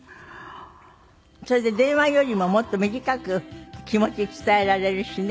それで電話よりももっと短く気持ち伝えられるしね。